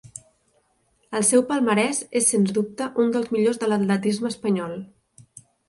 El seu palmarès és sens dubte un dels millors de l'atletisme espanyol.